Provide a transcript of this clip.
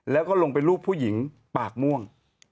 แล้วก็ลงไปรูปผู้หญิงปากม่วง